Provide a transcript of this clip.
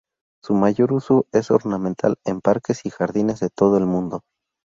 Su mayor uso es ornamental en parques y jardines de todo el mundo.